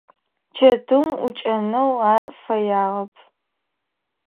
Чэтыум ӏукӏэнэу ар фэягъэп.